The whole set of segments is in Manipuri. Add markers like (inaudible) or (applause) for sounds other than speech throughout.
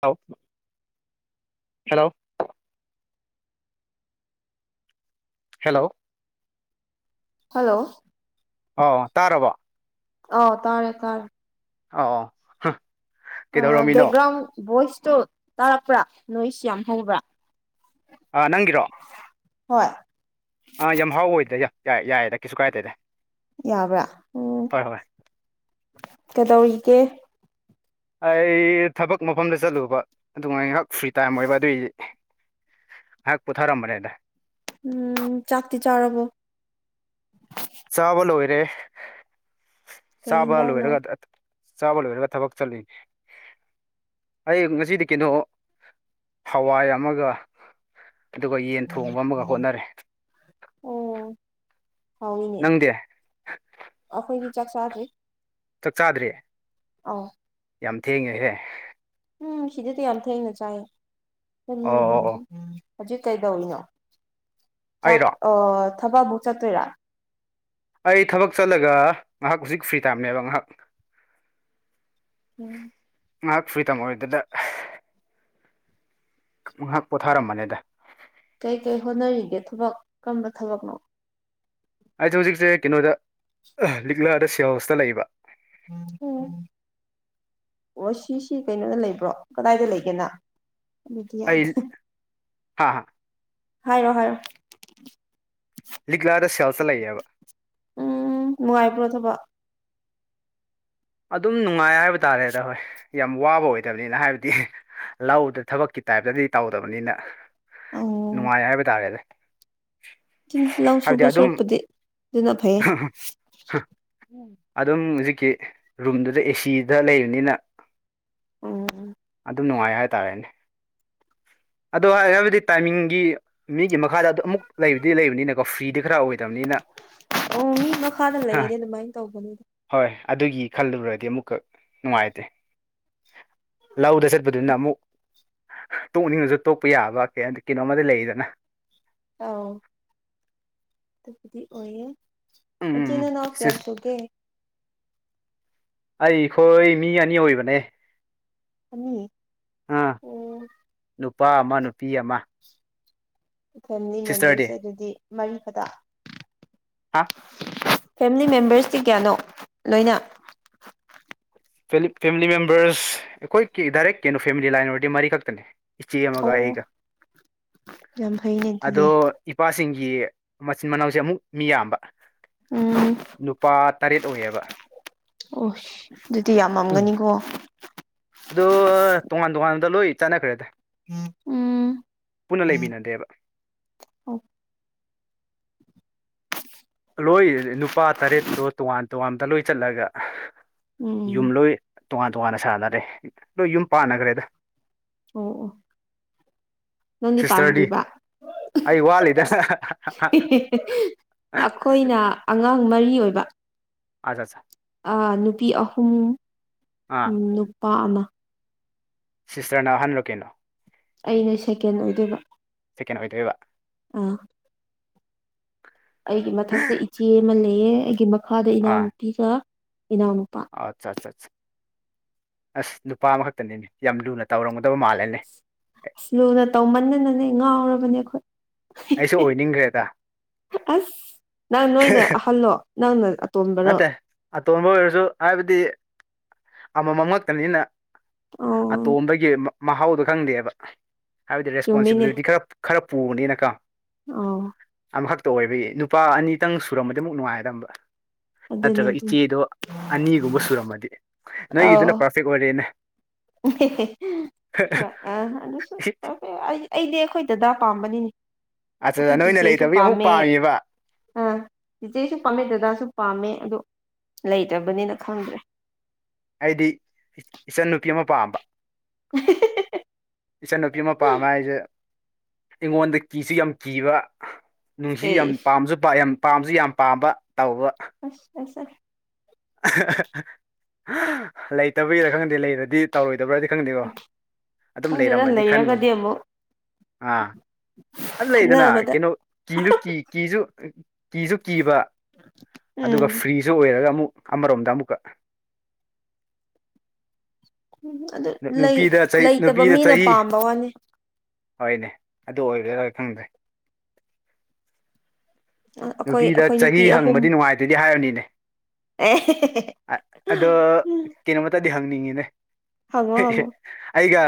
ꯍꯂ ꯍꯦꯜꯂꯣ ꯍꯦꯜꯂꯣ ꯍꯜꯂꯣ ꯑꯣ ꯇꯥꯔꯕꯣ ꯑꯣ ꯇꯥꯔꯦ ꯇꯥꯔꯦ ꯑ ꯕꯦꯛꯒ꯭ꯔꯥꯎꯟ ꯚꯣꯏꯁꯇꯣ ꯇꯥꯔꯛꯄ꯭ꯔꯥ ꯅꯣꯏꯁ ꯌꯥꯝ ꯍꯧꯕ꯭ꯔꯥ ꯑ ꯅꯪꯒꯤꯔꯣ ꯍꯣꯏ ꯑꯥ ꯌꯥꯝ ꯍꯥꯎ ꯑꯣꯏꯗ꯭ꯔꯦ ꯌꯥꯏ ꯌꯥꯏꯦꯗ ꯀꯩꯁꯨ ꯀꯥꯏꯗꯦꯗ ꯌꯥꯕ꯭ꯔꯥ ꯎꯝ ꯍꯣꯏ ꯍꯣꯏ ꯀꯩꯗꯧꯔꯤꯒꯦ ꯑꯩ ꯊꯕꯛ ꯃꯐꯝꯗ ꯆꯠꯂꯨꯕ ꯑꯗꯨꯃꯥꯏ ꯉꯥꯏꯍꯥꯛ ꯐ꯭ꯔꯤ ꯇꯥꯏꯝ ꯑꯣꯏꯕ ꯑꯗꯨꯏꯗꯤ ꯍꯥꯏ ꯄꯨꯊꯥꯔ ꯃꯔꯦꯗ ꯎꯝ ꯆꯥꯛꯇꯤ ꯆꯥꯔꯕꯣ ꯆꯥꯕ ꯂꯣꯏꯔꯦ ꯀꯩ ꯆꯥꯕ ꯌꯦꯟꯖꯥꯡꯅꯣ ꯂꯣꯏꯔꯒ ꯆꯕꯣꯣ ꯐꯔ ꯀ ꯊꯕꯛ ꯆꯂ ꯑꯩ ꯉꯁꯤꯗꯤ ꯀꯩꯅꯣ ꯍꯋꯥꯏ ꯑꯃꯒ ꯑꯗꯨꯒ ꯌꯦꯟ ꯊꯣꯡꯕ ꯑꯃꯒ ꯍꯣꯠꯅꯔꯦ ꯑꯣꯝ ꯍꯥꯎꯅꯦ ꯅꯪꯗꯤ ꯑꯩꯈꯣꯏꯒꯤ ꯆꯥꯛ ꯆꯥꯗ꯭ꯔꯤ ꯆꯥꯛ ꯆꯥꯗ꯭ꯔꯤꯌꯦ ꯑ ꯌꯥꯝ ꯊꯦꯡꯉꯦꯈꯦ ꯎꯝ ꯁꯤꯗꯤꯗꯤ ꯌꯥꯝ ꯊꯦꯡꯅ ꯆꯥꯏ ꯎꯝ ꯑꯣ ꯑꯣ ꯑꯣ ꯎꯝ ꯍꯧꯖꯤꯛ ꯀꯩꯗꯧꯔꯤꯅꯣ ꯆꯥꯛ ꯑꯩꯔꯣ ꯊꯕꯛꯐꯧ ꯆꯠꯇꯣꯏꯔꯥ ꯑꯩ ꯊꯕꯛ ꯆꯠꯂꯒ ꯉꯥꯏꯍꯥꯛ ꯍꯧꯖꯤꯛ ꯐ꯭ꯔꯤ ꯇꯥꯏꯝꯅꯦꯕ ꯉꯥꯏꯍꯥꯛ ꯎꯝ ꯉꯥꯏꯍꯥꯛ ꯐ꯭ꯔꯤ ꯇꯝ ꯑꯣꯏꯗꯗ ꯉꯥꯏꯍꯥꯛ ꯄꯣꯊꯥꯔꯝꯕꯅꯤꯗ ꯀꯩ ꯀꯩ ꯍꯣꯠꯅꯔꯤꯒꯦ ꯊꯕꯛ ꯀꯔꯝꯕ ꯊꯕꯛꯅꯣ ꯑꯩꯁꯦ ꯍꯧꯖꯤꯛꯁꯦ ꯀꯩꯅꯣꯗ ꯂꯤꯛꯂꯥꯗ ꯁꯦꯜ ꯍꯣꯁꯇ ꯂꯩꯕ ꯍ ꯑꯣ ꯁꯤꯁꯤ ꯀꯩꯅꯣꯅ ꯂꯩꯕ꯭ꯔꯣ ꯀꯗꯥꯏꯗ ꯂꯩꯒꯦꯅ ꯑꯗꯨꯗꯤ ꯌꯥꯗꯦ ꯍꯥꯥ ꯍꯥ ꯍꯥꯏꯔꯣ ꯍꯥꯏꯔꯣ ꯂꯤꯛꯂꯥꯗ ꯁꯦꯜꯁꯇ ꯂꯩꯌꯦꯕ ꯎꯝ ꯅꯨꯡꯉꯥꯏꯕ꯭ꯔꯣ ꯊꯕꯛ ꯑꯗꯨꯝ ꯅꯨꯡꯉꯥꯏ ꯍꯥꯏꯕ ꯇꯥꯔꯦꯗ ꯍꯣꯏ ꯌꯥꯝ ꯋꯥꯕ ꯑꯣꯏꯗꯕꯅꯤꯅ ꯍꯥꯏꯕꯗꯤ ꯂꯧꯗ ꯊꯕꯛꯀꯤ ꯇꯥꯏꯞꯇꯗꯤ ꯇꯧꯗꯕꯅꯤꯅ ꯑꯧ ꯅꯨꯡꯉꯥꯏ ꯍꯥꯏꯕ ꯇꯥꯔꯦꯅꯦ ꯑꯗꯨꯅꯤ ꯂꯧ ꯁꯨꯕ ꯁꯨꯔꯛꯄꯗꯤ ꯑꯗꯨꯅ ꯐꯩꯌꯦ ꯑꯗꯨꯝ ꯍꯧꯖꯤꯛꯀꯤ ꯔꯨꯝꯗꯨꯗ ꯑꯦꯁꯤꯗ ꯂꯩꯕꯅꯤꯅ ꯎꯝ ꯑꯗꯨꯝ ꯅꯨꯡꯉꯥꯏ ꯍꯥꯏꯇꯥꯔꯦꯅꯦ ꯑꯗꯣ ꯍꯥꯏ ꯍꯥꯏꯕꯗꯤ ꯇꯥꯏꯃꯤꯡꯒꯤ ꯃꯤꯒꯤ ꯃꯈꯥꯗ ꯑꯗꯨ ꯑꯃꯨꯛ ꯂꯩꯕꯗꯤ ꯂꯩꯕꯅꯤꯅꯀꯣ ꯐ꯭ꯔꯤꯗꯤ ꯈꯔ ꯑꯣꯏꯗꯕꯅꯤꯅ ꯑ ꯃꯤ ꯃꯈꯥꯗ ꯂꯩꯔꯦ ꯑꯗꯨꯃꯥꯏꯅ ꯇꯧꯕꯅꯦ ꯍꯣꯏ ꯑꯗꯨꯒꯤ ꯈꯜꯂꯨꯕꯨꯔꯗꯤ ꯑꯃꯨꯛꯀ ꯅꯨꯡꯉꯥꯏꯇꯦ ꯂꯧꯗ ꯆꯠꯄꯗꯨꯅ ꯑꯃꯨꯛ ꯇꯣꯛꯅꯤꯡꯕꯁꯨ ꯇꯣꯛꯄ ꯌꯥꯕ ꯀ ꯍꯥꯏ ꯀꯩꯅꯣꯃꯗ ꯂꯩꯔꯤꯗꯅ ꯑꯥꯎ ꯗꯤ ꯑꯣꯏ ꯎꯝ ꯎꯝ ꯃꯆ ꯅ ꯀꯌꯥ ꯁꯤꯁ ꯁꯧꯒꯦ ꯑꯩꯈꯣꯏ ꯃꯤ ꯑꯅꯤ ꯑꯣꯏꯕꯅꯦ ꯑ ꯑꯥ ꯅꯨꯄꯥ ꯑꯃ ꯅꯨꯄꯤ ꯑꯃ ꯐꯦꯃꯤꯂꯤ ꯁꯤꯁꯇꯔꯗꯤ ꯃꯦꯝꯕꯔꯁꯦ ꯑꯗꯨꯗꯤ ꯃꯔꯤ ꯐꯗ ꯍꯥ ꯐꯦꯃꯤꯂꯤ ꯃꯦꯝꯕꯔꯁꯇꯤ ꯀꯌꯥꯅꯣ ꯂꯣꯏꯅ ꯐ ꯐꯦꯃꯤꯂꯤ ꯃꯦꯝꯕꯔꯁ ꯑꯩꯈꯣꯏꯒꯤ ꯗꯥꯏꯔꯦꯛ ꯀꯩꯅꯣ ꯐꯦꯃꯤꯂꯤ ꯂꯥꯏꯟ ꯑꯣꯏꯔꯗꯤ ꯃꯔꯤ ꯈꯛꯇꯅꯦ ꯏꯁꯤ ꯑꯃꯒ ꯑꯣ ꯑꯩꯒ ꯌꯥꯝ ꯐꯩꯅꯦ ꯑꯗꯣ ꯑꯗꯨꯗꯤ ꯏꯄꯥꯁꯤꯡꯒꯤ ꯃꯆꯤꯟ ꯃꯅꯥꯎꯁꯦ ꯑꯃꯨꯛ ꯃꯤ ꯌꯥꯝꯕ ꯎꯝ ꯅꯨꯄꯥ ꯇꯔꯦꯠ ꯑꯣꯏꯌꯦꯕ ꯑꯣ ꯑꯗꯨꯗꯤ ꯎꯝ ꯌꯥꯝꯃꯝꯒꯅꯤꯀꯣ ꯑꯗꯣ ꯇꯣꯉꯥꯟ ꯇꯣꯉꯥꯟꯗ ꯂꯣꯏ ꯆꯠꯅꯈ꯭ꯔꯦꯗ ꯎꯝ ꯄꯨꯟꯅ ꯂꯩꯃꯤꯟꯅꯗꯦꯕ ꯑꯣ (unintelligible) ꯂꯣꯏ ꯅꯨꯄꯥ ꯇꯔꯦꯠꯇꯣ ꯇꯣꯉꯥꯟ ꯇꯣꯉꯥꯟꯕ ꯂꯣꯏ ꯆꯠꯂꯒ ꯌꯨꯝ ꯎꯝ ꯂꯣꯏ ꯇꯣꯉꯥꯟ ꯇꯣꯉꯥꯟꯅ ꯁꯥꯟꯅꯔꯦ ꯂꯣꯏ ꯌꯨꯝ ꯄꯥꯟꯅꯈ꯭ꯔꯦꯗ ꯑꯣ ꯑꯣ ꯅꯪꯗꯤ ꯁꯤꯁꯇꯔꯗꯤ ꯄꯥꯝꯗ꯭ꯔꯤꯕ ꯑꯩ ꯋꯥꯠꯂꯤꯗ ꯑꯩꯈꯣꯏꯅ ꯑꯉꯥꯡ ꯃꯔꯤ ꯑꯣꯏꯕ ꯑꯆꯥꯆꯥ ꯅꯨꯄꯤ ꯑꯍꯨꯝ ꯑꯥ ꯅꯨꯄꯥ ꯑꯅ ꯁꯤꯁꯇꯔꯅ ꯑꯍꯜꯂꯛ ꯀꯩꯅꯣ ꯑꯩꯅ ꯁꯦꯀꯦꯟ ꯑꯣꯏꯗꯣꯏꯕ ꯁꯦꯀꯦꯟ ꯑꯣꯏꯗꯣꯏꯕ ꯑꯥ ꯑꯩꯒꯤ ꯃꯊꯛꯇ ꯏꯆꯦ ꯑꯃ ꯂꯩꯌꯦ ꯑꯩꯒꯤ ꯃꯈꯥꯗ ꯑꯥ ꯏꯅꯥꯎꯅꯨꯄꯤꯒ ꯏꯅꯥꯎꯅꯨꯄꯥ ꯑꯠꯆꯥ ꯑꯠꯆꯥ ꯑꯠ ꯑꯁ ꯅꯨꯄꯥ ꯑꯃꯈꯛꯇꯅꯤꯅꯦ ꯌꯥꯝ ꯂꯨꯅ ꯇꯧꯔꯝꯒꯗꯕ ꯃꯥꯜꯂꯅꯦ ꯂꯨꯅ ꯇꯧꯃꯟꯅꯅꯅꯦ ꯉꯥꯎꯔꯕꯅꯦ ꯑꯩꯈꯣꯏ ꯑꯩꯁꯨ ꯑꯣꯏꯅꯤꯡꯈ꯭ꯔꯦꯗ ꯑꯁ ꯅꯪ ꯅꯣꯏꯅ ꯑꯍꯜꯂꯣ ꯅꯪꯅ ꯑꯇꯣꯝꯕꯔꯣ ꯅꯠꯇꯦ ꯑꯇꯣꯟꯕ ꯑꯣꯏꯔꯁꯨ ꯍꯥꯏꯕꯗꯤ ꯑꯃꯃꯝ ꯉꯛꯇꯅꯤꯅ ꯑꯣ ꯑꯇꯣꯝꯕꯒꯤ ꯃꯍꯥꯎꯗꯣ ꯈꯪꯗꯦꯕ ꯍꯥꯏꯕꯗꯤ ꯆꯨꯝꯃꯤꯅꯦ ꯔꯦꯁꯄꯣꯟꯁꯤꯕꯤꯂꯤꯇꯤ ꯈꯔ ꯈꯔ ꯄꯨꯕꯅꯤꯅꯀꯥ ꯑꯣ ꯑꯃꯈꯛꯇ ꯑꯣꯏꯕꯒꯤ ꯅꯨꯄꯥ ꯑꯅꯤꯇꯪ ꯁꯨꯔꯝꯕꯗꯤ ꯑꯃꯨꯛ ꯅꯨꯡꯉꯥꯏꯗꯝꯕ ꯑꯗꯨꯅꯦ ꯅꯠꯇ꯭ꯔꯒ ꯑꯗꯨꯅꯦ ꯏꯆꯦꯗꯣ ꯑꯅꯤꯒꯨꯝꯕ ꯁꯨꯔꯝꯃꯗꯤ ꯅꯣꯏꯒꯤꯗꯨꯅ ꯄꯥꯔꯐꯦꯛ ꯑꯣꯏꯔꯦꯅꯦ ꯑꯁꯨ ꯑꯩ ꯑꯩꯗꯤ ꯑꯩꯈꯣꯏꯗꯗꯥ ꯄꯥꯝꯕꯅꯤꯅꯦ ꯑꯠꯆꯥ ꯑꯩꯈꯣꯏ ꯅꯣꯏꯅ ꯆꯤꯆꯦꯁꯨ ꯂꯩꯇꯕꯒꯤ ꯑꯃꯨꯛ ꯄꯥꯝꯃꯦ ꯄꯥꯝꯃꯤꯕ ꯑꯥ ꯆꯤꯆꯦꯁꯨ ꯄꯥꯝꯃꯦ ꯗꯗꯥꯁꯨ ꯄꯥꯝꯃꯦ ꯑꯗꯣ ꯂꯩꯇꯕꯅꯤꯅ ꯈꯪꯗ꯭ꯔꯦ ꯍꯥꯏꯗꯤ ꯏꯆꯟꯟꯅ ꯅꯨꯄꯤ ꯑꯃ ꯄꯥꯝꯕ ꯏꯆꯟꯅꯨꯄꯤ ꯃꯄꯥꯝ ꯑꯃ ꯍꯥꯏꯁꯦ ꯑꯩꯉꯣꯟꯗ ꯀꯤꯁꯨ ꯌꯥꯝ ꯀꯤꯕ ꯅꯨꯡꯁꯤꯁꯨ ꯌꯥꯝ ꯑꯦ ꯄꯥꯝꯁꯨ ꯌꯥꯝ ꯄꯥꯝꯁꯨ ꯌꯥꯝ ꯄꯥꯝꯕ ꯇꯧꯕ ꯑꯁ ꯂꯩꯇꯕꯒꯤꯔ ꯈꯪꯗꯦ ꯂꯩꯔꯗꯤ ꯇꯧꯔꯣꯏꯗꯕ꯭ꯔꯗꯤ ꯈꯪꯗꯦꯀꯣ ꯑꯗꯨꯝ ꯈꯪꯗꯦꯗ ꯂꯩꯔꯝꯃꯗꯤ ꯈꯟꯕ ꯂꯩꯔꯒꯗꯤ ꯑꯃꯨꯛ ꯑꯥ ꯍꯥꯏ ꯂꯩꯗꯅ ꯈꯟꯅꯕꯗ ꯀꯩꯅꯣ ꯀꯤꯁꯨ ꯀꯤ ꯀꯤꯁꯨ ꯀꯤꯁꯨ ꯀꯤꯕ ꯎꯝ ꯑꯗꯨꯒ ꯐ꯭ꯔꯤꯁꯨ ꯑꯣꯏꯔꯒ ꯑꯃꯨꯛ ꯑꯃꯔꯣꯝꯗ ꯑꯃꯨꯛꯀ ꯎꯝ ꯑꯗꯨ ꯂꯩ ꯅꯨꯄꯤꯗ ꯂꯩꯇꯕ ꯅꯨꯄꯤꯗ ꯃꯤꯅ ꯆꯍꯤ ꯄꯥꯝꯕ ꯋꯥꯅꯤ ꯍꯣꯏꯅꯦ ꯑꯗꯨ ꯑꯣꯏꯕ꯭ꯔꯥꯣꯏ ꯈꯪꯗ꯭ꯔꯦ ꯑꯩꯈꯣꯏ ꯅꯨꯄꯤꯗ ꯑꯩꯈꯣꯏ ꯆꯍꯤ ꯅꯨꯄꯤ ꯑꯍꯨꯝ ꯍꯪꯕꯗꯤ ꯅꯨꯡꯉꯥꯏꯇꯗꯤ ꯍꯥꯏꯔꯅꯤꯅꯦ ꯑꯦ ꯑꯗꯣ ꯀꯩꯅꯣꯃꯇꯗꯤ ꯍꯪꯅꯤꯡꯉꯤꯅꯦ ꯍꯪꯉꯣ ꯍꯪꯉꯣ ꯑꯩꯒ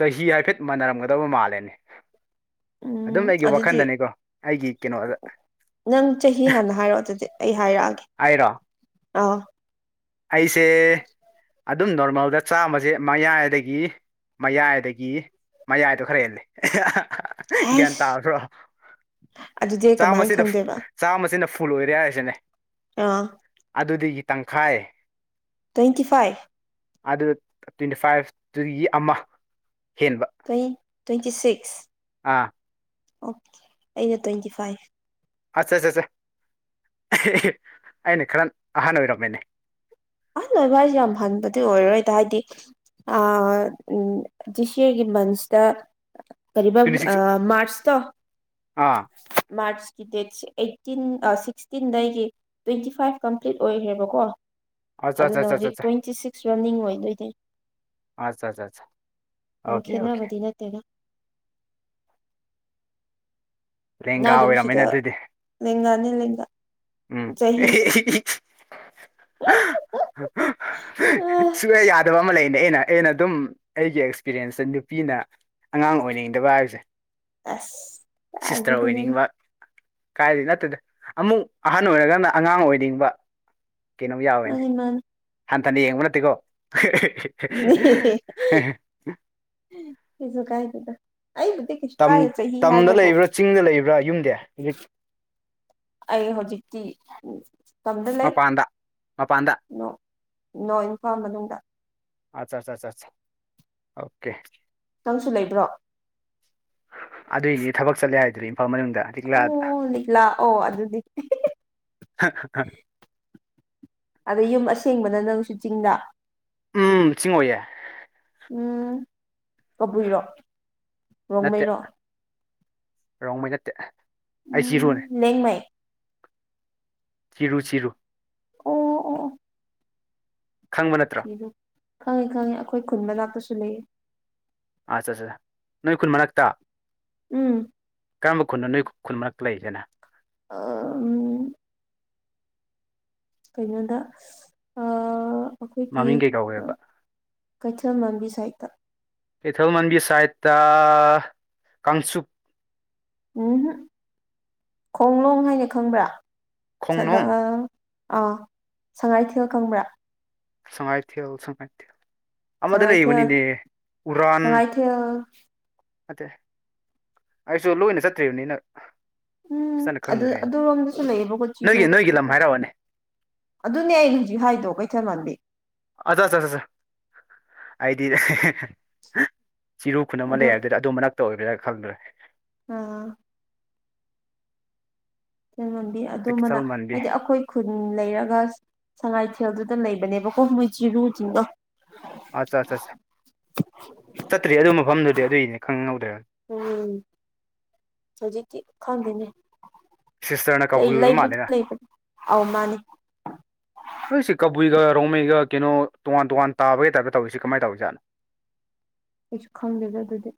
ꯆꯍꯤ ꯍꯥꯏꯐꯦꯠ ꯃꯥꯟꯅꯔꯝꯒꯗꯕ ꯃꯥꯜꯂꯦꯅꯦ ꯎꯝ ꯑꯗꯨꯝ ꯑꯩꯒꯤ ꯑꯗꯨꯗꯤ ꯋꯥꯈꯟꯗꯅꯤꯀꯣ ꯑꯩꯒꯤ ꯀꯩꯅꯣꯗ ꯅꯪ ꯆꯍꯤ ꯍꯥꯟꯅ ꯍꯥꯏꯔꯛꯑꯣ ꯑꯗꯨꯗꯤ ꯑꯩ ꯍꯥꯏꯔꯛꯑꯒꯦ ꯍꯥꯏꯔꯣ ꯑꯥ ꯑꯩꯁꯦ ꯑꯗꯨꯝ ꯅꯣꯔꯃꯦꯜꯗ ꯆꯥꯃꯁꯦ ꯃꯌꯥꯏ ꯑꯗꯒꯤ ꯃꯌꯥꯏꯗꯒꯤ ꯃꯌꯥꯏꯗꯣ ꯈꯔ ꯍꯦꯜꯂꯦ ꯒ꯭ꯌꯥꯟ ꯍꯁ ꯇꯥꯕ꯭ꯔꯣ ꯑꯗꯨꯗꯤ ꯀꯃꯥꯏꯅ ꯆꯥꯝꯃꯕꯁꯤꯗ ꯈꯪꯗꯣꯏꯕ ꯆꯥꯝꯃꯁꯤꯅ ꯐꯨꯜ ꯑꯣꯏꯔꯦ ꯍꯥꯏꯔꯤꯁꯤꯅꯦ ꯑꯥ ꯑꯗꯨꯗꯒꯤ ꯇꯪꯈꯥꯏ ꯇ꯭ꯋꯦꯟꯇꯤ ꯐꯥꯏꯚ ꯑꯗꯨ ꯇ꯭ꯋꯦꯟꯇꯤ ꯐꯥꯏꯚꯇꯨꯒꯤ ꯑꯃ ꯍꯦꯟꯕ ꯇ꯭ꯋꯦꯟꯇꯤ ꯁꯤꯛꯁ ꯑꯥ ꯑꯣꯀꯦ ꯑꯩꯅ ꯇ꯭ꯋꯦꯟꯇꯤ ꯐꯥꯏꯚ ꯑ ꯑꯠ ꯑꯠꯁꯦ ꯑꯩꯅ ꯈꯔ ꯑꯍꯥꯟꯕ ꯑꯣꯏꯔꯝꯝꯕꯅꯤ ꯑꯍꯟ ꯑꯣꯏꯕ ꯍꯥꯏꯁꯦ ꯌꯥꯝ ꯍꯟꯕꯗꯤ ꯑꯣꯏꯔꯣꯏꯗ ꯍꯥꯏꯗꯤ ꯑ ꯎꯝ ꯖꯤꯁꯒꯤ ꯃꯟꯁꯇ ꯀꯔꯤꯕ ꯇ꯭ꯋꯦꯟꯇꯤ ꯁꯤꯛꯁ ꯃꯥꯔꯆꯇꯣ ꯑꯥ ꯃꯥꯆ ꯗꯦꯠꯁꯦ ꯑꯩꯠꯇꯤꯟ ꯁꯤꯛꯁꯇꯤꯟꯗ ꯑꯩꯒꯤ ꯇ꯭ꯋꯦꯟꯇꯤ ꯐꯥꯏꯚ ꯀꯝꯄ꯭ꯂꯤꯠ ꯑꯣꯏꯈ꯭ꯔꯦꯕꯀꯣ ꯑꯠꯆꯥ ꯑꯠꯆꯥ ꯑꯗꯨꯅ ꯑꯠꯆꯥ ꯍꯧꯖꯤꯛ ꯑꯠꯆꯥ ꯇ꯭ꯋꯦꯟꯇꯤ ꯁꯤꯛꯁ ꯁ꯭ ꯔꯝꯅꯤꯡ ꯑꯣꯏꯗꯣꯏꯗꯤ ꯑꯠꯆꯥ ꯑꯠꯆꯥ ꯑꯠꯆꯥ ꯌꯥꯝ ꯑꯣꯀꯦ ꯑꯣꯀꯦ ꯈꯦꯠꯅꯕꯗꯤ ꯅꯠꯇꯦꯅ ꯅ ꯂꯦꯡꯒꯥ ꯑꯗꯨꯝ ꯑꯣꯏꯔꯝꯃꯦꯅꯦ ꯁꯤꯗ ꯑꯗꯨꯗꯤ ꯂꯦꯡꯒꯥꯅꯦ ꯂꯦꯡꯒꯥ ꯎꯝ ꯆꯍꯤ ꯁꯋꯦ ꯌꯥ ꯐꯕ ꯑꯃ ꯂꯩꯅꯦ ꯑꯩꯅ ꯑꯩꯅ ꯑꯗꯨꯝ ꯑꯩꯒꯤ ꯑꯦꯛꯁꯄꯤꯔꯤꯌꯦꯟꯁꯁꯦ ꯅꯨꯄꯤꯅ ꯑꯉꯥꯡ ꯑꯣꯏꯅꯤꯡꯗꯕ ꯍꯥꯏꯕꯁꯦ ꯑꯁ ꯁꯤꯁꯇꯔ ꯀꯥꯏꯗꯒꯤꯅꯣꯗ ꯑꯣꯏꯅꯤꯡꯕ ꯀꯥꯏꯗꯤ ꯅꯠꯇꯗ ꯑꯃꯨꯛ ꯑꯍꯟ ꯑꯣꯏꯔꯒꯅ ꯑꯉꯥꯡ ꯑꯣꯏꯅꯤꯡꯕ ꯀꯩꯅꯣꯝ ꯌꯥꯎꯋꯦꯅꯤ ꯃꯥꯅꯤ ꯃꯥꯅꯤ ꯍꯟꯊꯅ ꯌꯦꯡꯕ ꯅꯠꯇꯦꯀꯣ ꯁꯤꯁꯨ ꯀꯥꯏ ꯇꯗ ꯑꯩꯕꯨ ꯀꯩꯁꯨ ꯇꯝ ꯀꯥꯏꯦ ꯆꯍꯤ ꯇꯝꯗ ꯍꯥꯏꯕꯕꯨꯣ ꯂꯩꯕ꯭ꯔꯥ ꯆꯤꯡꯗ ꯂꯩꯕ꯭ꯔꯥ ꯌꯨꯝꯗꯤ ꯍꯧꯖꯤꯛ ꯑꯩ ꯍꯧꯖꯤꯛꯇꯤ ꯀꯝꯗ ꯂꯩ ꯃꯄꯥꯟꯗ ꯃꯄꯥꯟꯗ ꯅꯣ ꯏꯝꯐꯥꯜ ꯃꯅꯨꯡꯗ ꯑꯠꯆꯥ ꯑꯠꯆꯥ ꯑꯣꯀꯦ ꯅꯪꯁꯨ ꯂꯩꯕ꯭ꯔꯣ ꯑꯗꯨꯏꯗꯤ ꯊꯕꯛ ꯆꯠꯂꯦ ꯍꯥꯏꯗ꯭ꯔꯦ ꯏꯝꯐꯥꯜ ꯃꯅꯨꯡꯗ ꯂꯤꯛꯂꯥꯗ ꯎꯗꯤꯂ ꯑꯣ ꯑꯗꯨꯗꯤ ꯑꯗ ꯌꯨꯝ ꯑꯁꯦꯡꯕꯅ ꯅꯪꯁꯨ ꯆꯤꯡꯗ ꯎꯝ ꯆꯤꯡꯉ ꯑꯣꯏꯌꯦ ꯎꯝ ꯀꯕꯨꯏꯔꯣ ꯅꯠꯇꯦ ꯔꯣꯡꯃꯩꯔꯣ ꯔꯣꯡꯕꯩ ꯅꯠꯇꯦ ꯑꯩ ꯆꯤꯔꯨꯅꯦ ꯎꯝ ꯂꯦꯡꯃꯩ ꯆꯤꯔꯨ ꯆꯤꯔꯨ ꯑꯣ ꯑꯣ ꯈꯪꯕ ꯅꯠꯇ꯭ꯔꯥ ꯈꯪꯉꯦ ꯈꯪꯉꯦ ꯑꯩꯈꯣꯏ ꯈꯨꯟꯕ ꯂꯥꯛꯇꯁꯨ ꯂꯩꯌꯦ ꯑꯠ ꯑ ꯅꯣꯏ ꯀꯨꯟ ꯃꯔꯛꯇ ꯎꯝ ꯀꯔꯝꯕ ꯈꯨꯟꯅꯣ ꯅꯣꯏ ꯈꯨꯟ ꯃꯔꯛ ꯂꯩꯗꯦꯅ ꯑ ꯎ ꯀꯩꯅꯣꯗ ꯑꯩꯈꯣꯏꯒꯤ ꯃꯃꯤꯡ ꯀꯩ ꯀꯧꯒꯦꯕ ꯀꯩꯊꯦꯜ ꯂꯝꯕꯤ ꯁꯥꯏꯠꯇ ꯀꯩꯊꯧꯜ ꯃꯟꯕꯤ ꯁꯥꯏꯠ ꯀꯥꯡꯪꯆꯨꯞ ꯎꯝ ꯈꯣꯡꯂꯣꯡ ꯍꯥꯏꯅ ꯈꯪꯕ꯭ꯔꯥ ꯁꯗ ꯈꯣꯡꯅꯨꯡ ꯑꯥ ꯁꯉꯥꯏꯊꯦꯜ ꯈꯪꯕ꯭ꯔꯥ ꯁꯪꯉꯥꯏ ꯊꯣ ꯁꯪꯉꯥꯏꯣ ꯑꯃꯗ ꯁꯉꯥꯏꯊꯦꯜ ꯂꯩꯕꯅꯤꯅꯦ ꯎꯔꯥꯟ ꯁꯉꯥꯏꯊꯦꯜ ꯅꯠꯇꯦ ꯑꯩꯁꯨ ꯂꯣꯏꯅ ꯆꯠꯇ꯭ꯔꯤꯕꯅꯤꯅ ꯎꯝ ꯐꯖꯅ ꯑꯗꯨ ꯈꯪꯗ꯭ꯔꯦꯅꯦ ꯑꯗꯨꯔꯣꯝꯗꯁꯨ ꯂꯩꯌꯦꯕꯀꯣ ꯆꯤꯔꯨ ꯅꯣꯏꯒꯤ ꯅꯣꯏꯒꯤ ꯂꯝ ꯍꯥꯏꯔꯛꯑꯣꯅꯦ ꯑꯗꯨꯅꯦ ꯑꯩ ꯍꯧꯖꯤꯛ ꯍꯥꯏꯗꯣ ꯀꯩꯊꯃꯥꯟꯕꯤ ꯑꯆꯥ ꯍꯥꯏꯗꯤꯗ ꯆꯤꯔꯨ ꯈꯨꯟꯅ ꯑꯃ ꯂꯩ ꯑꯗꯣ ꯍꯥꯏꯕꯗꯨꯗ ꯑ ꯑꯗꯨꯝꯕ ꯃꯔ ꯅꯛꯇ ꯑꯣꯏꯕ꯭ꯔꯥ ꯈꯪꯗ꯭ꯔꯦ ꯑꯝ ꯉꯝꯕꯤ ꯆꯀꯤꯁꯜ ꯑꯗꯨꯝꯕꯅ ꯃꯟꯕꯤ ꯍꯥꯏꯗꯤ ꯑꯩꯈꯣꯏ ꯈꯨꯟ ꯂꯩꯔꯒ ꯁꯉꯥꯏꯊꯦꯜꯗꯨꯗ ꯂꯩꯕꯅꯦꯕꯀꯣ ꯃꯣꯏ ꯆꯤꯔꯨ ꯆꯤꯡꯕꯣ ꯑꯠꯆꯥ ꯑꯠꯆꯥ ꯑꯠ ꯆꯠꯇ꯭ꯔꯤ ꯑꯗꯨ ꯃꯐꯝꯗꯨꯗꯤ ꯑꯗꯨꯏꯅꯤ ꯈꯪꯍꯧꯗ꯭ꯔ ꯎꯝ ꯍꯧꯖꯤ ꯈꯥꯟꯗꯅꯦ ꯁꯤꯁꯇꯔꯅ ꯂꯩ ꯀꯕꯨꯏ ꯑꯣꯏꯕ ꯂꯩꯕꯨꯗꯤ ꯃꯥꯜꯂꯦꯅ ꯂꯩ ꯑꯧ ꯃꯥꯅꯤ ꯅꯣꯏ ꯁꯤ ꯀꯕꯨꯏꯒ ꯔꯣꯡꯃꯩ ꯀꯩꯅꯣ ꯇꯣꯉꯥꯟ ꯇꯣꯉꯥꯟ ꯇꯥꯕꯒꯤ ꯇꯥꯏꯞꯇ ꯇꯧꯔꯤꯁꯤ ꯀꯃꯥꯏ ꯇꯧꯔꯤꯖꯥꯠꯣ ꯀꯩꯁꯨ ꯈꯪꯗꯦꯗ ꯑꯗꯨꯗꯤ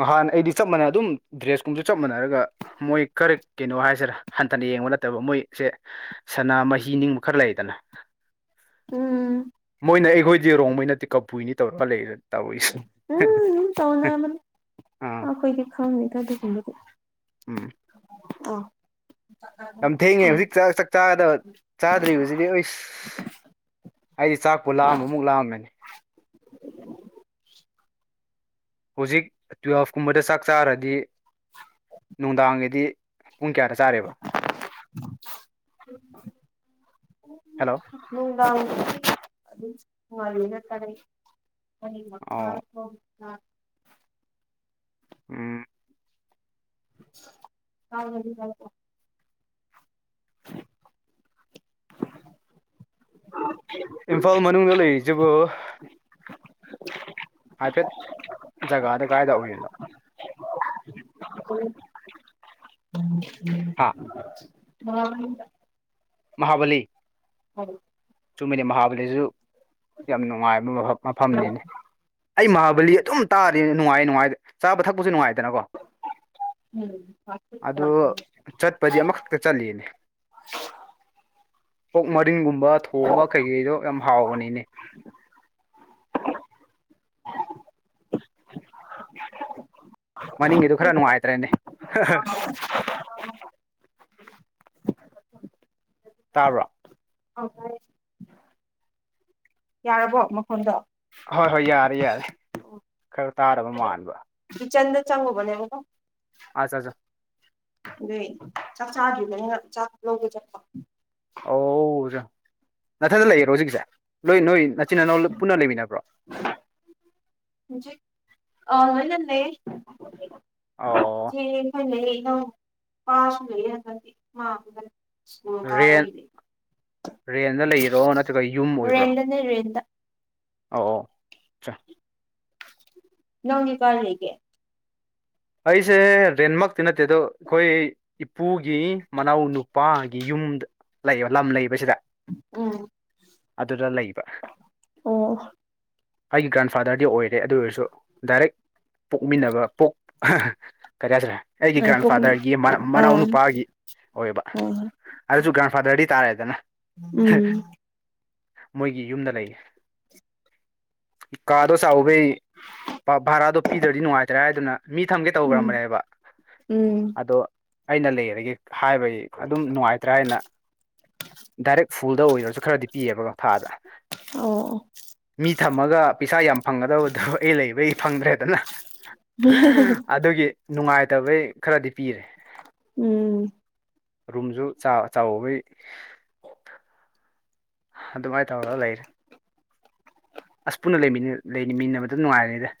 ꯅꯍꯥꯟ ꯑꯩꯗꯤ ꯆꯞ ꯃꯥꯟꯅꯩ ꯑꯗꯨꯝ ꯗ꯭ꯔꯦꯁꯀꯨꯝꯕꯁꯨ ꯆꯞ ꯃꯥꯟꯅꯔꯒ ꯃꯣꯏ ꯈꯔ ꯀꯩꯅꯣ ꯍꯥꯏꯁꯤꯔ ꯍꯟꯊꯅ ꯌꯦꯡꯕ ꯅꯠꯇꯕ ꯃꯣꯏꯁꯦ ꯁꯅꯥꯃꯍꯤꯤ ꯅꯤꯡꯕ ꯈꯔ ꯂꯩꯗꯅ ꯎꯝ ꯃꯣꯏꯅ ꯑꯩꯈꯣꯏꯗꯤ ꯔꯣꯡꯃ ꯅꯠꯇꯦ ꯀꯄꯨꯏꯅꯤ ꯇꯧꯔꯒ ꯂꯩ ꯇꯧꯔꯛꯏꯁꯤꯦ ꯍ ꯇꯧꯅꯕꯅꯤ ꯑꯩꯈꯣꯏꯒꯤ ꯈꯪꯗꯦ ꯑꯗꯨꯒꯨꯝꯕꯗꯤ ꯎꯝ ꯑꯥ ꯌꯥꯝ ꯊꯦꯡꯉꯦ ꯍꯧꯖꯤꯛ ꯆꯥꯛ ꯆꯥꯛ ꯆꯥꯗ ꯆꯥꯗ꯭ꯔꯤꯕꯁꯤꯗꯤ ꯑꯁ ꯑꯩꯗꯤ ꯆꯥꯛꯄꯨ ꯂꯥꯝꯃ ꯑꯃꯨꯛ ꯂꯥꯝꯃꯦ ꯍꯧꯖꯤꯛ ꯇꯨꯋꯦꯜꯐ ꯀꯨꯝꯕꯗ ꯆꯥꯛ ꯆꯥꯔꯗꯤ ꯅꯨꯡꯗꯥꯡꯒꯤꯗꯤ ꯄꯨꯡ ꯀꯌꯥꯗ ꯆꯥꯔꯤꯕ ꯍꯜꯂꯣ ꯅꯨꯡꯗꯥꯡꯕꯨꯗꯤ ꯑꯗꯨꯝ ꯉꯥꯢꯔꯤꯅ ꯆꯤꯢꯑꯦ (unintelligible) ꯍ ꯑꯣ (unintelligible) ꯎꯝ (unintelligible) ꯏꯝꯐꯥꯜ ꯃꯅꯨꯡꯗ ꯂꯩꯔꯤꯁꯤꯕꯨ ꯍꯥꯏꯐꯦꯠ ꯖꯒꯥꯗ ꯀꯥꯏꯗ ꯑꯣꯏꯔꯤꯅꯣ ꯎ ꯍꯥ ꯎꯝ (unintelligible) ꯃꯍꯥꯕꯂꯤ (unintelligible) ꯆꯨꯝꯃꯤꯗꯤ ꯃꯍꯥꯕꯂꯤꯁꯨ ꯌꯥꯝ ꯅꯨꯡꯉꯥꯏꯕ ꯃꯐꯝ ꯃꯐꯝꯅꯤꯅꯤ ꯑꯩ ꯃꯍꯥꯕꯂꯤ ꯑꯗꯨꯝ ꯇꯥꯔꯤ ꯅꯨꯡꯉꯥꯏ ꯅꯨꯡꯉꯥꯏ ꯆꯥꯕ ꯊꯛꯄꯁꯨ ꯅꯨꯡꯉꯥꯏꯗꯅꯀꯣ ꯑꯗꯣ ꯆꯠ ꯄꯗꯤ ꯑꯃꯈꯛꯇ ꯆꯠꯅꯤ ꯑꯣꯛ ꯃꯔꯤꯟꯒꯨꯝꯕ ꯊꯣꯡ ꯍꯣꯡꯕ ꯀꯩꯀꯔꯤꯗꯣ ꯌꯥꯝ ꯍꯥꯎꯕꯅꯤꯅꯦ ꯃꯅꯤꯡꯒꯤꯗꯨ ꯈꯔ ꯅꯨꯡꯉꯥꯏꯇ꯭ꯔꯦꯅꯦ ꯍꯥ ꯍꯥ ꯇꯥꯕ꯭ꯔꯣ ꯑꯧ ꯇꯥꯢꯑꯦ ꯌꯥꯔꯕꯣ ꯃꯐꯝꯗꯣ ꯍꯣꯏ ꯍꯣꯏ ꯌꯥꯔꯦ ꯌꯥꯔꯦ ꯈꯔ ꯇꯥꯗꯕ ꯃꯥꯟꯕ ꯀꯤꯆꯟꯗ ꯆꯪꯉꯨꯕꯅꯦꯕꯀꯣ ꯑꯥ ꯆꯥ ꯆꯥ ꯑꯗꯨꯏ ꯆꯥꯛ ꯆꯥꯗ꯭ꯔꯤꯕꯅꯤꯅ ꯆꯥꯛ ꯂꯧꯒꯦ ꯆꯠꯄ ꯑꯣꯖꯥ ꯅꯊꯟꯗ ꯂꯩꯌꯦꯔꯣ ꯍꯧꯖꯤꯛꯁꯦ ꯅꯣꯏ ꯅꯣꯏ ꯅꯆꯤꯟ ꯏꯅꯥꯎ ꯄꯨꯟꯅ ꯂꯩꯃꯤꯟꯅꯕ꯭ꯔꯣ ꯍꯧꯖꯤꯛ ꯑ ꯂꯣꯏꯅꯥ ꯂꯩꯌꯦ ꯑꯣ ꯢꯆꯦ ꯑꯩꯍꯣꯏ ꯂꯩꯌꯦ ꯏꯅꯧꯄꯥꯁꯨ ꯂꯩꯌꯦ ꯍꯟꯗꯛꯇꯗꯤ ꯃ ꯑꯁꯀꯨꯜ ꯀꯥꯔ ꯔꯦꯟ (unintelligible) ꯔꯦꯟꯗ ꯂꯩꯔꯣ ꯅꯠꯇ꯭ꯔꯒ ꯌꯨꯝ ꯑꯣꯏꯕ꯭ꯔꯣ ꯔꯦꯟꯗꯅꯦ ꯔꯦꯟꯗ ꯑꯧ ꯑꯧ ꯅꯪꯗꯤ ꯀꯥꯢ ꯂꯩꯒꯦ ꯑꯩꯁꯦ ꯔꯦꯟꯃꯛꯇꯤ ꯅꯠꯇꯦ ꯑꯗꯣ ꯑꯩꯈꯣꯏ ꯏꯄꯨꯒꯤ ꯃꯅꯥꯎ ꯅꯨꯄꯥꯒꯤ ꯌꯨꯝꯗ ꯂꯩꯕ ꯂꯝ ꯂꯩꯕꯁꯤꯗ ꯎꯝ ꯑꯗꯨꯗ ꯂꯩꯕ ꯑꯣ ꯑꯩꯒꯤ ꯒ꯭ꯔꯥꯟꯐꯥꯗꯔꯗꯤ ꯑꯣꯢꯔꯦ ꯑꯗꯨ ꯑꯣꯏꯔꯁꯨ ꯗꯥꯏꯔꯦꯛ ꯄꯣꯛꯃꯤꯟꯅꯕ ꯄꯣꯛ (unintelligible) ꯀꯔꯤ ꯍꯥꯏꯁꯤꯔ ꯑꯩꯒꯤ ꯄꯨꯛꯅꯤꯡ ꯒ꯭ꯔꯥꯟꯐꯥꯗꯔꯒꯤ ꯃꯅꯥꯎ ꯃꯅꯥꯎ ꯑꯥ ꯅꯨꯄꯥꯒꯤ ꯑꯣꯏꯕ ꯍꯣꯏ ꯍꯣꯏ ꯑꯗꯨꯁꯨ ꯒ꯭ꯔꯥꯟꯐꯥꯗꯔꯗꯤ ꯇꯥꯔꯦꯗꯅ ꯎꯝ ꯃꯣꯏꯒꯤ ꯌꯨꯝꯗ ꯂꯩꯌꯦ ꯀꯥꯗꯣ ꯆꯥꯎꯋꯦ ꯚꯥꯔꯗꯣ ꯄꯤꯗ꯭ꯔꯗꯤ ꯅꯨꯡꯉꯥꯏꯇ꯭ꯔꯦ ꯍꯥꯏꯗꯅ ꯃꯤ ꯊꯝꯒꯦ ꯎꯝ ꯇꯧꯔꯝꯕꯅꯦꯕ ꯎꯝ ꯑꯗꯣ ꯑꯩꯅ ꯂꯩꯔꯒꯦ ꯍꯥꯏꯕꯒꯤ ꯑꯗꯨꯝ ꯅꯨꯡꯉꯥꯏꯇ꯭ꯔꯦ ꯍꯥꯏꯅ ꯗꯥꯏꯔꯦꯛ ꯐꯨꯜꯗ ꯑꯣꯏꯗꯔꯁꯨ ꯈꯔꯗꯤ ꯄꯤꯑꯕ ꯀꯣ ꯊꯥꯗ ꯑꯣ ꯑꯣ ꯃꯤ ꯊꯝꯃꯒ ꯄꯤꯁꯥ ꯌꯥꯝ ꯐꯪꯒꯗꯕꯗꯨ ꯑꯩ ꯂꯩꯕꯩ ꯐꯪꯗ꯭ꯔꯦꯗꯅ ꯑꯗꯨꯒꯤ ꯅꯨꯡꯉꯥꯏꯇꯕꯩ ꯈꯔꯗꯤ ꯄꯤꯔꯦ ꯎꯝ ꯔꯨꯝꯁꯨ ꯆꯥ ꯆꯥꯎꯕꯩ ꯑꯗꯨꯃꯥꯏꯅ ꯇꯧꯔꯒ ꯂꯩꯔꯦ ꯑꯁ ꯄꯨꯟꯅꯃꯤꯟꯅ ꯂꯩꯃꯤꯟ ꯂꯩꯃꯤꯟꯅꯕꯗ ꯅꯨꯡꯉꯥꯏꯔꯦꯗ